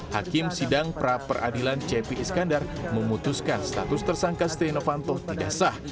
hakim sidang praperadilan c p iskandar memutuskan status tersangka setia novanto tidak sah